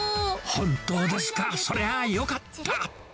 本当ですか、そりゃあよかった。